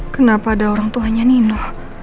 kenapa ada orang tuanya nino